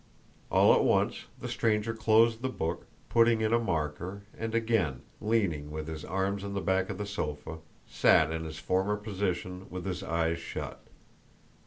All at once the stranger closed the book, putting in a marker, and again, leaning with his arms on the back of the sofa, sat in his former position with his eyes shut.